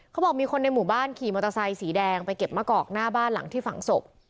เขาบอกมีคนในหมู่บ้านขี่มอเตอร์ไซค์สีแดงไปเก็บมะกอกหน้าบ้านหลังที่ฝังศพ